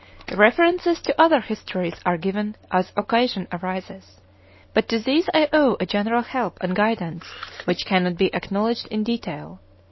References to other Histories are given as occasion arises, but to these I owe a general help and guidance which cannot be acknowledged in detail.